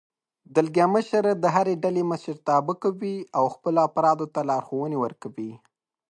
دلګی مشر د هرې ډلې مشرتابه کوي او خپلو افرادو ته لارښوونې ورکوي.